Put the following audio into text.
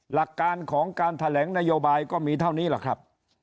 หลักการของการแถลงนโยบายก็มีเท่านี้แหละครับ